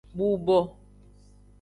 Bubo.